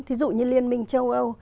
thí dụ như liên minh châu âu